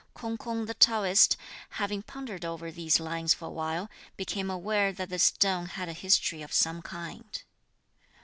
K'ung K'ung, the Taoist, having pondered over these lines for a while, became aware that this stone had a history of some kind.